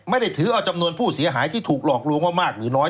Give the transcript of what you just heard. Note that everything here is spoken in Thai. ไม่ได้ถือเอาจำนวนผู้เสียหายที่ถูกหลอกลวงว่ามากหรือน้อย